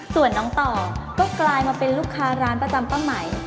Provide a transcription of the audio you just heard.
ส่วนน้องต่อก็กลายมาเป็นลูกค้าร้านประจำเป้าหมาย